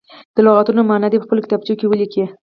د لغتونو معنا دې په خپلو کتابچو کې ولیکي.